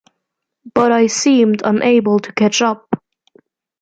But I seemed unable to catch up.